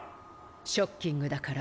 ショッキングだから覚悟して。